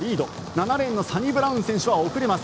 ７レーンのサニブラウン選手は遅れます。